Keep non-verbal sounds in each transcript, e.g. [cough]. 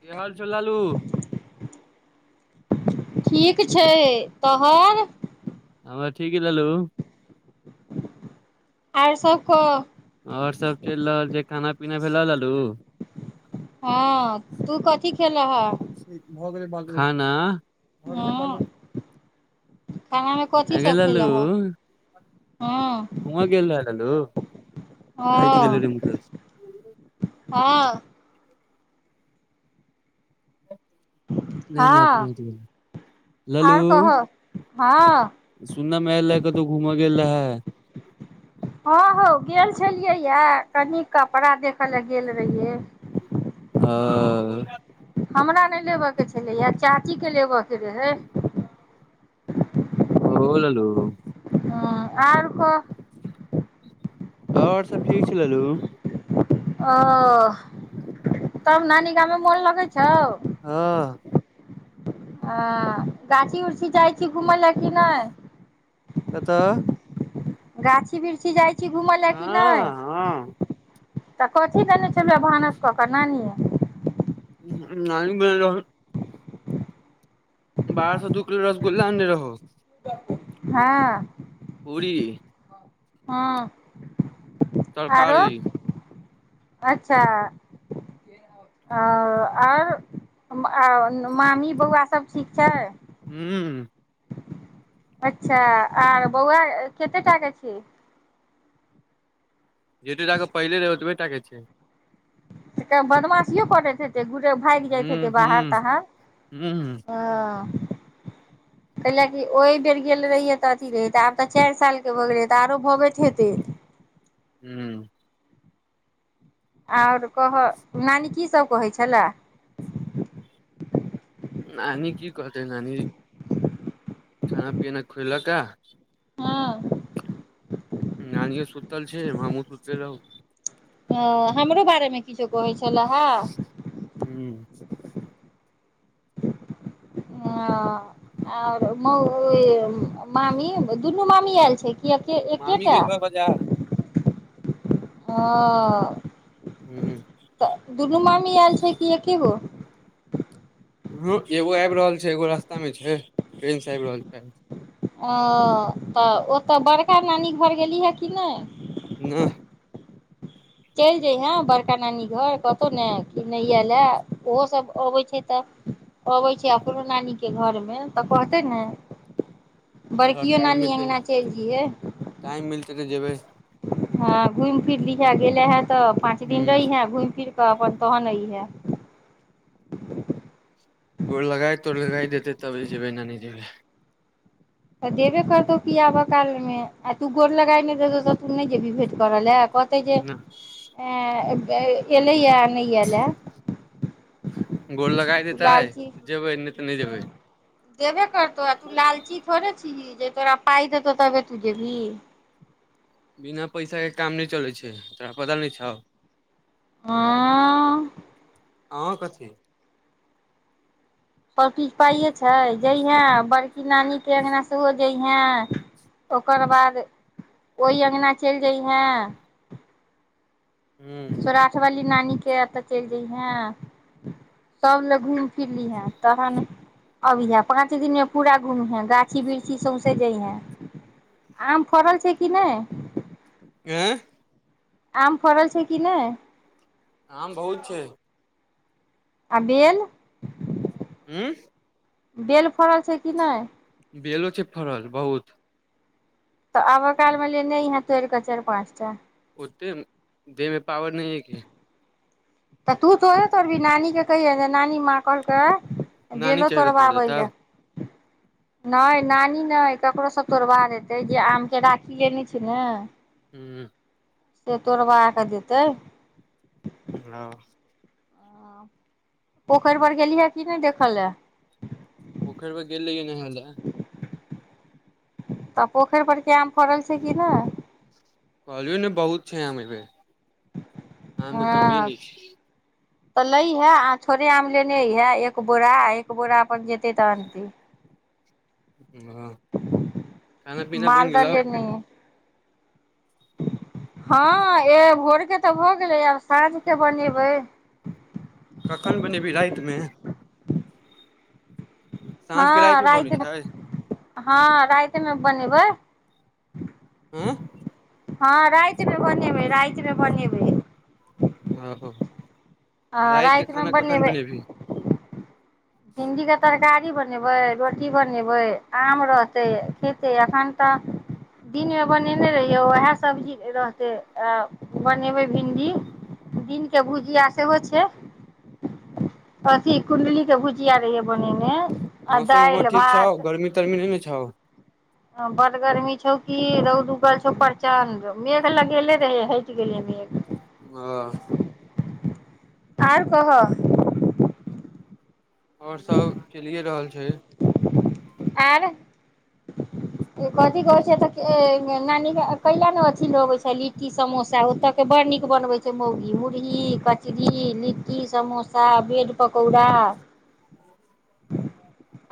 की हाल चाल लालू ठीक छै तोहर ह ठीक रहलू आओर सब कह आओर सभ चलि रहल जे खाना पीना भेल रहलू हँ तू कथी खेलह ठीक भऽ गेलै बाल खाना ह खानामे अगे कथीसभ खेल लालू ह घूमऽ ह हँ गेल रहे लालू हटि गेलै रे मुकेश हँ नहि नहि हँ अपने लू आर कह हँ सुननामेल कतौ घूम गेल रहै [inaudible] हँ ह गेल छलियैए कनी कपड़ा देखय लए गेल रहियै ओ अ हमरा नहि लेबय के छलैएा चाचीके लेबय के रहै ओ ललो ह आर कह आओर सब ठीक छि ललू ओ तब नानी गमेमे मन लगै छै हँ ह गाछी उछी जाइ छी घूमय लए कि नहि कतऽ गाछ बिरछि जाइ छी घुमै लए कि नहि हँ हँ तऽ कथी देने छै भानस कऽ कऽ नानिये नानी बनेन रहोउ बाहरसँ दु किलो रसगुल्ला गोललाउ रहू हँ ओरी हँ आरो तरकारी अच्छा आओर मामी बौआ सब ठीक छै हुँ अच्छा आ बौआ कतेक टा के छी जतेटाके पहिले रहै ओतबहि टाके छै तऽ बदमाशियो करैत हैतेय गुटे भागि जाइत हूं हेते बाहर हूं ताहर हूं ह कैल की ओहि बेर गेल रहिय तऽ अथी रह त आब तऽ चारि साल के भऽ गेले तऽ आरो भगैत हेते हूं आओर कह नानी कीसभ कहै छलए नानी की कहथिै नानी खाना पीना खुएलक आ हँ नानी यों सुतल छै हमहूँ सुूतल रहु ह हमरो बारेमे किछु से कहै छलहे हूं ह आर म मामी दुनू मामी आयल छै किए मामी एकेटा गेल बा बाजार हँ हुँ दुनू मामी आयल छै कि एकके गो ह एगो आबि रहल छै एगो रास्तामे छै ट्रेनसँ आबि रहल छै ओ तऽ ओ तऽ बड़का नानीक भर गेलीहे कि नहि नहि चलि जयहेँ बड़का नानी घर कतहु ने कि नहि आयल हए ओहोसभ अबैत छै तऽ अबै छै अपनो नानी के घरमे तऽ कहतै ने ह बड़कियो टाइम नानी मिलतै अङ्गना चलि जइहे टाइम मिलतै तऽ जेबै हँ घूमि फिर लीं हैय गेला हन तऽ पाँच दिन हूं रही है घूमिफिर तऽ अपन तहन अहियाँ गोर लगााय तोड़ लगा देतै तब जेबै न नहि जेबै तऽ देबे करतौ किियाबऽ कालमे आ तू गोर लगााय नहि देतौ तऽ तू नहि जेबही भेँट करऽ लए कत ओतऽ न जे एलए ल गोर लगाय त देतै लालची जेबै नहि तऽ नहि जेबै देबे करतौ तू लालची थोड़े छह जे तोरा पाय दतो तबे तु जेबहिं बिना पैसाके काम नहि चलै छै तोरा पता नहि छौ आँ ह कथी आओ किछ पाइए छै जैहेँ बड़की नानीके अङ्गना सेहो जैहे ओकर बाद ओहि अङ्गना चलि जैहेँ ह स्वराठ वाली ी नानी के एतऽ चलि जयहे सब लोग घूमि फिर लीहें तहन अबिहे पाँच दिन मे पूरा घूम हे गाछी वृक्षी सौंसे जैहें आम फड़ल छै कि नहि आँ आम फरल छै कि नहि आम बहुत छै आ बेल उूँ बेल फड़ल छै कि नहि बेलो छै फड़ल बहुत त आब कालमे लेने यहाँ तोर क चारि पाँचटा े देह मे पावर नहि है क तऽ तू सोे तोर भी नानी के कही नानी माँ कहलके नानी गलो चढ़ के तोड़ तोड़वावय देतौ लेल नहि नानी नहि ककरोसँ तोड़बा देेतै जे आमके राखियए नहि छै ने हू से तोड़बा कऽ देतै ह पोखरि पर गेली है कि नहि देखल लय पोखरि व ग गेलल रहिए नहाय लए तऽ पोखरि पर क कहिलये नए बहुत छैमे प आमे कमिय हँ नहि छै तऽ लैहे आ थोड़े आम लेने हे एक बोरा एक बोरा अपन जेतैय तहनत ह खाना पीना बनि मालदह गेलौ ले नहि हँ ए भोरके तऽ भऽ गेलै आब साँझके बनेबै कखन बनेबी रातिमे साँझ के हँ रातिमे बनै राति मे छै हँ रातिमे बनेबै आँ हँ रातिमे बनेबै रातिमे बनेबै आ आ राति के रात मे खाना कखन बनैबे बनेबही भिंडी का तरकारी ती बनेबै रोटी बनेबै आम रहतै खेतै एखन तऽ दिनमे बनेने रहियै उएह सब्जी रहतै आ बनेबै भिन्डी दिन बुझि सेहो छै अथी कु्डली के भुजिया रहैये बनेने आ मौसम उम्हर दालि ठीक छौ गरमी तरमी नहि ने छौ हँ बड्ड गर्मी छौ की रौद उगल छौ प्रचंड मेघ लगेले रहे हटि गेले मेघ ह आओर कह आओर सब चलिए रहल छै आर कथी कहै छै तऽ नानीके कला ने अथि लऽ अबै छै लिट्टी समोसा ओतयके बड़ नीक बनबै छै मौगी मुरही कचरी लिट्टी समोसा ब्रेड पकौड़ा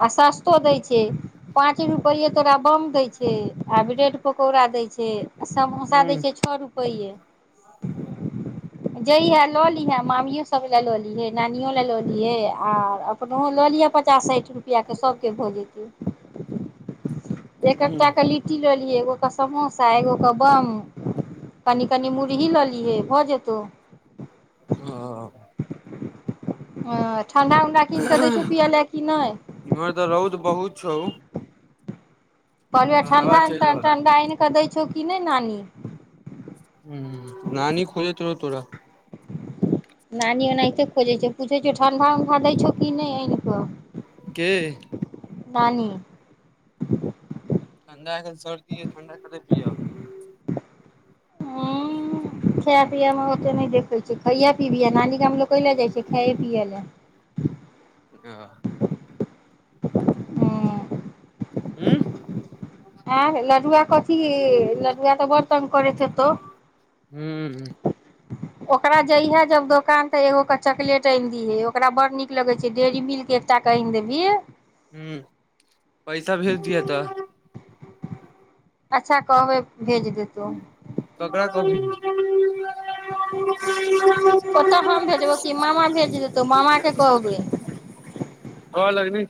आ सस्तो दै छै पाँच रुपैये तोरा बम दै छै आ ब्रेड पकौड़ा दै छै आ समोसा दै ह छै छओ रुपैेये जहे लऽ लिहे मामियो सभ लए लऽ लिहे नानियो लए लऽ लिहे आर अपनहु लऽ लिहे पचास साठि रुपैया के सभके भऽ जेतै एक एक टा के लिट्टी ल लि एगो कऽ समोसा एगो कऽ बम कनि कनि मुरही लऽ लिहे भऽ जेतौ [inaudible] [inaudible] आ ठंडा उंडा कीन कऽ दै ह छौ पिय ले की नहि इम्हर तऽ रौद बहुत छौ कहलियौ ए पर हवा ठंडा चलि रहल तंडा कऽ दै छौ कि नहि नानी नानी खोजैत रहौ तोरा नानी ओनाहिते खोजै छौ पूछै छियौ ठंडा उंडा दै छौ कि नहि आनि कऽ के नानी ठण्डा क सर्दी ह ठण्डा के पीयब खाया पियमे ओते नहि देखै छै खइहे पीबीहे नानी गामे लोक कैले जाइ छै खाइ पियै लए आ उं आँ लडुआ कथी लड़ुआ तऽ बर तंग करैत हेतौ हूँ ओकरा जैहे जब दोकान तऽ एगो के चॉकलेट आनि दीहै ओकरा बड़ नीक लगै छै डेयरी मिल्क एकटा कऽ आनि देबही हँ पैसा भेज दिहे तऽ अच्छा कहबै भेज देतौ ककरा कहबही ओतऽ हम भेजबौ कि मामा भेज देतौ मामा के कहबै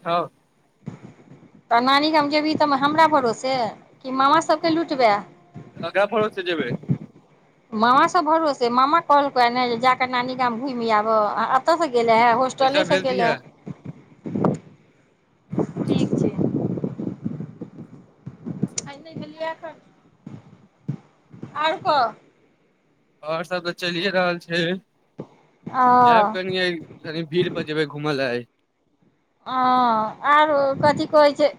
हँ तऽ नानी गाम जेबही तऽ हमरा भरोसे कि मामा सभके लुटबे ककरा भरोसे जेबै मामा सब भरोसे मामा कहलको ने जे जााकऽ नानी गाम घुमि आब एतऽसँ गेल है पैसा होॉस्टलसँ भेज गेललै दिहे आर कह आओर सब तऽ चलिए रहल छै जायब ओ कनि कनी भीड़ पर जेबै घूमै लऽ आइ ह आरो कथि कहैत छै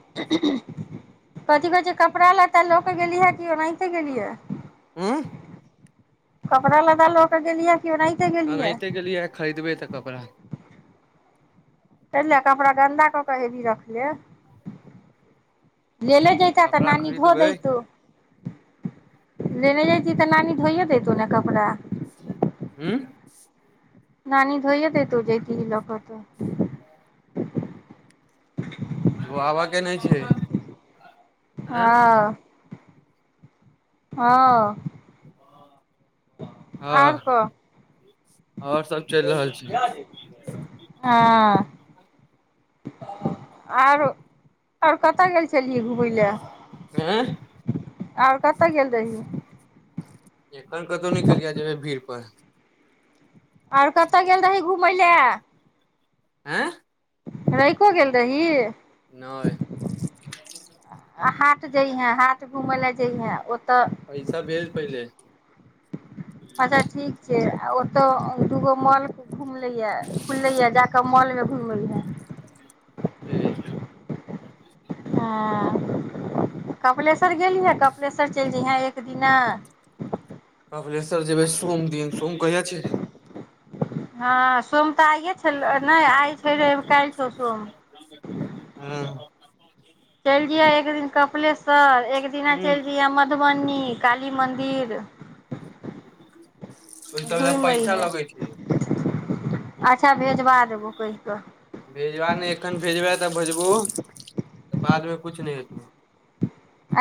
कथि कहैत छै कपड़ा लत्ता लऽ कऽ गेलिहे कि ओनाहिते गेलिहे उं कपड़ा लत्ता लऽकऽ गेलहिए अनाहिते के लि खरीदबे तऽ कपड़ा े कपड़ा गन्दा कऽ के हेवी रखले ले जता तऽ कपड़ा नानी धो खरीदबै देतू लेने जायती तऽ नानी धोइये देतौ ने कपड़ा हँ नान धोइयत तू जेति लोकख त जो आबऽ के नहि छै एँ हँ हँ हँ आर क और सब चलि रहल हँ आरो आर कतय गेल छलियै घुमय लए आँ आओर कतय गेल रही एकखन कतहु निकलिय जेबै भीड़ पर आर कतय गेल रही घूमय लए आँ रहिको गेल रही नहि आ हाट जइ हैं हाथ घुमय लए जइहे पैसा भेल पहिले अच्छा ठीक छै आ ओतहु दूगो मॉल घुमलैए खुललैए जा कऽ मॉलमे घुमै हे ठीक [inaudible] हँ कपलेश कर गेलीहै कपिलेशर चलि जइहे एक दिना त कय छै हँ सोम तऽ आइए छलै नहि आइ छै रवि काल्हि हँ छौ सोम [inaudible] चलि जिया एक दिन कपिलस्वर एक दिना ह चलि जया मधु ब काल मन्दिर ओहि सब लए पैसा है लगै छै अच्छा भेजबा देबो कहि कऽ भेजबू तऽ बादमे कुछ नहि हेतौ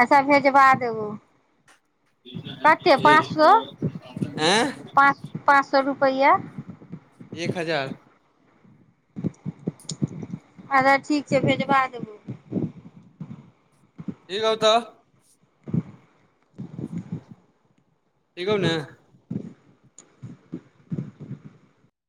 अच्छा भेजवा देबू आँ रपहियआा एक हजार अच्छा ठीक छै भेजवा देबू हगबत ठ कहौ ने